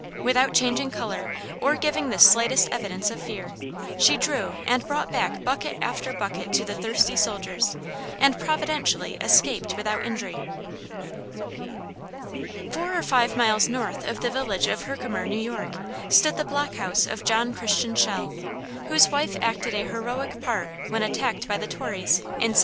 Without changing color or giving the slightest evidence of fear, she drew and brought back bucket after bucket to the thirsty soldiers, and providentially escaped without injury. Four or five miles north of the village of Herkimer, N. Y., stood the block house of John Christian Shell, whose wife acted a heroic part when attacked by the Tories, in 1781.